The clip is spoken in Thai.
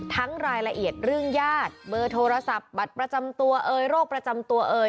รายละเอียดเรื่องญาติเบอร์โทรศัพท์บัตรประจำตัวเอ่ยโรคประจำตัวเอ่ย